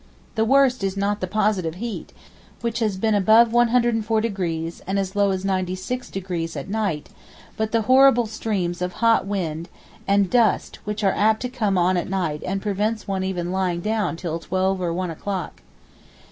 The worst is not the positive heat, which has not been above 104° and as low as 96° at night, but the horrible storms of hot wind and dust which are apt to come on at night and prevent one's even lying down till twelve or one o'clock.